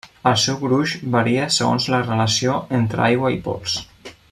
El seu gruix varia segons la relació entre aigua i pols.